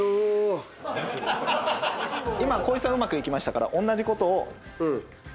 光一さんうまくいきましたからおんなじことを剛さんも。